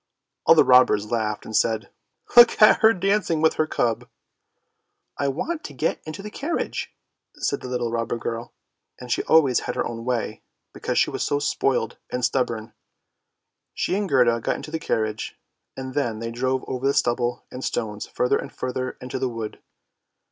All the robbers laughed and said, " Look at her dancing with her cub! "" I want to get into the carriage," said the little robber girl, and she always had her own way, because she was so spoilt and 206 ANDERSEN'S FAIRY TALES stubborn. She and Gerda got into the carriage, and then they drove over stubble and stones further and further into the wood.